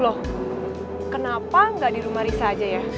loh kenapa nggak di rumah risa aja ya